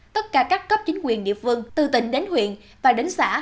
tất cả các cấp chính quyền địa phương từ tỉnh đến huyện và đến xã